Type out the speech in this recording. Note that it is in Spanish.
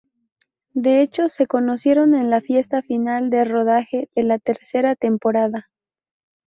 De hecho se conocieron en la fiesta final de rodaje de la tercera temporada.